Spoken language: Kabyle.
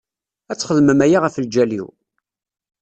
Ad txedmem aya ɣef lǧal-iw?